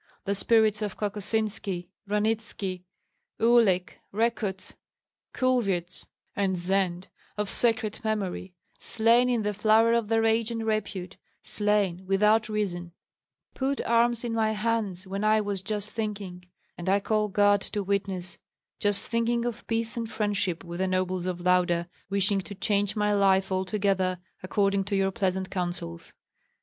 The spirits of Kokosinski, Ranitski, Uhlik, Rekuts, Kulvyets, and Zend, of sacred memory; slain in the flower of their age and repute, slain without reason, put arms in my hands when I was just thinking, and I call God to witness, just thinking of peace and friendship with the nobles of Lauda, wishing to change my life altogether according to your pleasant counsels.